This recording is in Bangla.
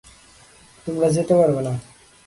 তোমরা যেতে পারবে না।